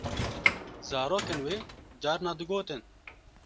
Zarokên wê carna digotin.